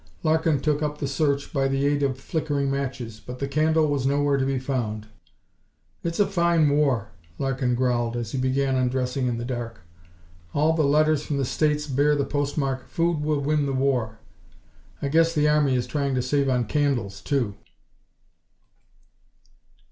Larkin took up the search, by the aid of flickering matches, but the candle was nowhere to be found. "It's a fine war!" Larkin growled, as he began undressing in the dark. "All the letters from the States bear the postmark, 'Food Will Win The War.' I guess the Army is trying to save on candles, too."